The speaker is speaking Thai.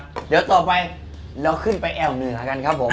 เดี๋ยวต่อไปเราขึ้นไปแอวเหนือกันครับผม